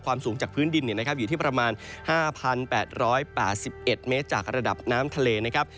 สูงจากพื้นดินอยู่ที่ประมาณ๕๘๘๑เมตรจากระดับน้ำทะเลนะครับ